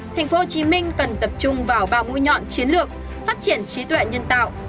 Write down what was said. tp hcm cần tập trung vào ba mũi nhọn chiến lược phát triển trí tuệ nhân tạo